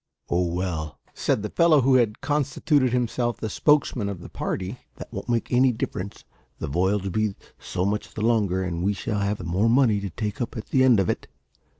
"Oh, well," said the fellow who had constituted himself the spokesman of the party, "that won't make any great difference. The voyage 'll be so much the longer, and we shall have the more money to take up at the end of it.